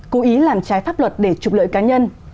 cố ý làm trái pháp luật để trục lợi cá nhân